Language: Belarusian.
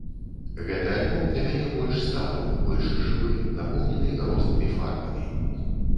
Гэты альбом для мяне больш сталы, больш жывы, напоўнены рознымі фарбамі.